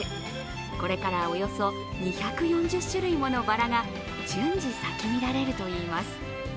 これからおよそ２４０種類ものバラが順次咲き乱れるといいます。